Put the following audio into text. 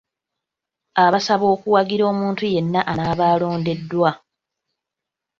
Abasaba okuwagira omuntu yenna anaaba alondeddwa.